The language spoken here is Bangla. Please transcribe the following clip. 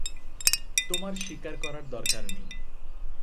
তোমার শিকার করার দরকার নেই।